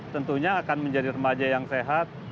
tentunya akan menjadi remaja yang sehat